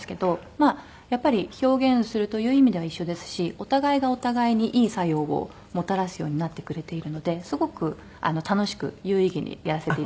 まあやっぱり表現するという意味では一緒ですしお互いがお互いにいい作用をもたらすようになってくれているのですごく楽しく有意義にやらせていただいてます。